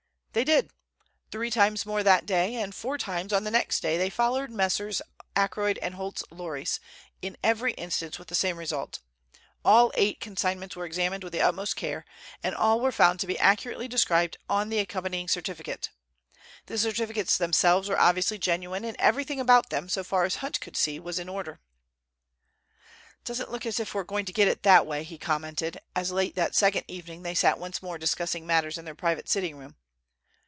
They did. Three times more on that day, and four times on the next day they followed Messrs. Ackroyd & Holt's lorries, in every instance with the same result. All eight consignments were examined with the utmost care, and all were found to be accurately described on the accompanying certificate. The certificates themselves were obviously genuine, and everything about them, so far as Hunt could see, was in order. "Doesn't look as if we are going to get it that way," he commented, as late that second evening they sat once more discussing matters in their private sitting room.